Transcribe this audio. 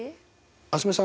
蒼澄さん